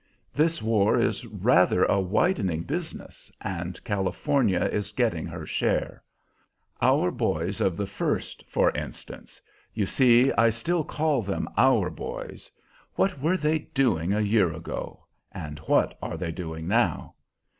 "This war is rather a widening business, and California is getting her share. Our boys of the First, for instance, you see I still call them our boys, what were they doing a year ago, and what are they doing now?